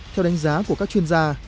theo đánh giá của các chuyên gia